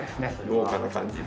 豪華な感じで。